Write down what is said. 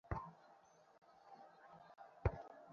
যুবতী মহিলারাও যুদ্ধের জন্য প্রস্তুত হয়।